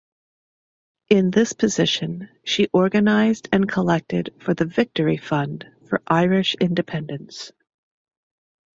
In this position she organised and collected for the "victory fund" for Irish independence.